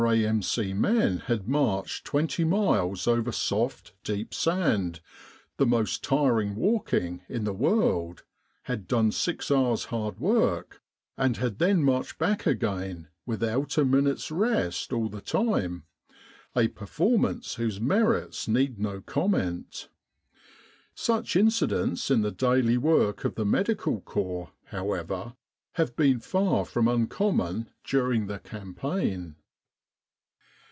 A.M.C. men had marched 20 miles over soft, deep sand the most tiring walking in the world had done six hours' hard work, and had then marched back again without a minute's rest all the time a performance whose merits need no With the R.A.M.C. in Egypt comment. Such incidents in the daily work of the Medical Corps, however, have been far from un common during the Campaign.